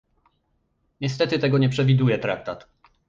Niestety tego nie przewiduje traktat